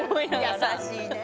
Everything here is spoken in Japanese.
優しいね。